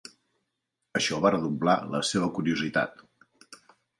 Això va redoblar la seva curiositat.